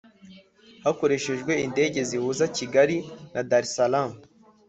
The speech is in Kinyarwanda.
hakoreshejwe indege zihuza Kigali na Dar es Salam